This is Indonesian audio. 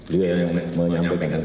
dia yang menyampaikan